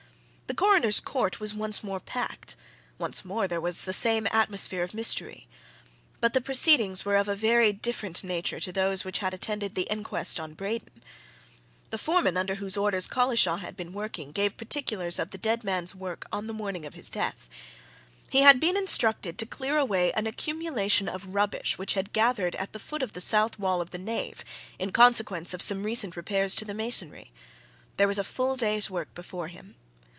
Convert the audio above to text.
The Coroner's court was once more packed; once more there was the same atmosphere of mystery. But the proceedings were of a very different nature to those which had attended the inquest on Braden. The foreman under whose orders Collishaw had been working gave particulars of the dead man's work on the morning of his death. He had been instructed to clear away an accumulation of rubbish which had gathered at the foot of the south wall of the nave in consequence of some recent repairs to the masonry there was a full day's work before him.